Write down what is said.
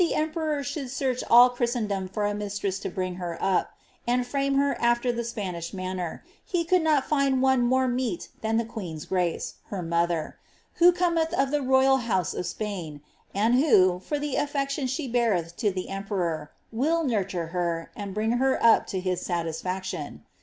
105 emperor should search all Christendom for a mistress to brings her up, and frame her after the manner of Spain, he could not find one more meet than the queen's grace, her mother — who cometh of the royal houae of Spain, and who, for the afiection she beareth to the emperor, irill nurture her, and bring her up to his satisfaction.